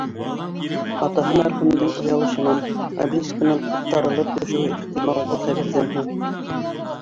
Атаһы мәрхүмдең оялышынан обелискынан ҡуптарылып төшөүе ихтимал был хәбәрҙән һуң